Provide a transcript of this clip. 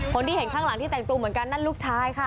คนที่เห็นข้างหลังที่แต่งตัวเหมือนกันนั่นลูกชายค่ะ